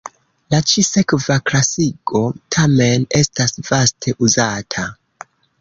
La ĉi-sekva klasigo tamen estas vaste uzata.